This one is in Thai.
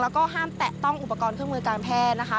แล้วก็ห้ามแตะต้องอุปกรณ์เครื่องมือการแพทย์นะคะ